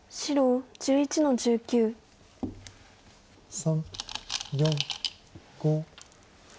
３４５。